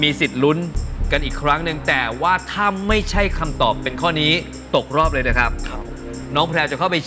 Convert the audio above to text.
อ้าวช่วยใครอ้าวคุณต้องช่วยให้น้องเขาได้